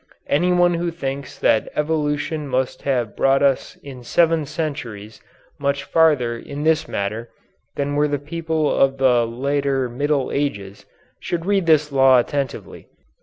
Anyone who thinks that evolution must have brought us in seven centuries much farther in this matter than were the people of the later Middle Ages should read this law attentively.